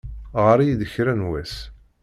Ɣer-iyi-d kra n wass.